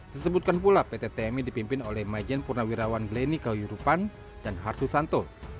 disebutkan pula pt tmi dipimpin oleh majen purnawirawan bleni kayurupan dan harsusanto